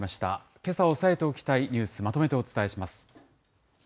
けさ、押さえておきたいニュース、まとめてお伝えします。